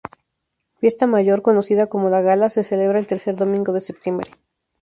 Fiesta Mayor: Conocida como "La Gala" se celebra el tercer domingo de septiembre.